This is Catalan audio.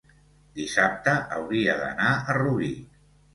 dissabte hauria d'anar a Rubí.